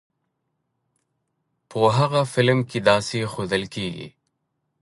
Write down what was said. په هغه فلم کې داسې ښودل کېږی.